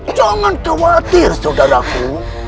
jangan khawatir saudaraku